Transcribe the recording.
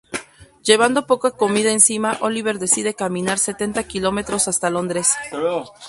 Llevando poca comida encima Oliver decide caminar setenta kilómetros hasta Londres.